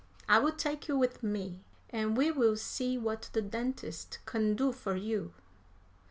I will take you with me, and we will see what the dentist can do for you."